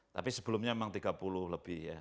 tapi sebelumnya memang tiga puluh lebih ya